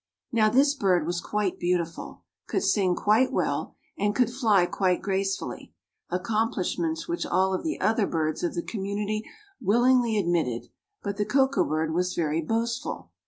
Now this bird was quite beautiful, could sing quite well, and could fly quite gracefully; accomplishments which all of the other birds of the community willingly admitted, but the Koko bird was very boastful.